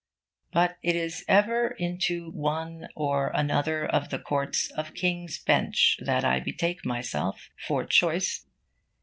But it is ever into one or another of the courts of King's Bench that I betake myself, for choice.